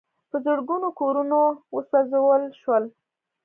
په زرګونو کورونه وسوځول شول.